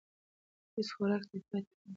هیڅ خوراک تلپاتې نه وي.